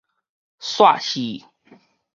煞戲